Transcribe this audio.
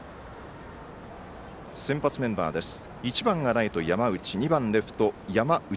先発メンバーです。